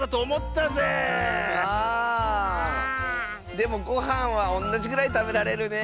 でもごはんはおんなじぐらいたべられるねえ。